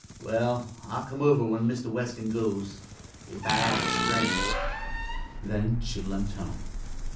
Well, I'll come over when Mr. Weskin goes if I have strength." Then she limped home.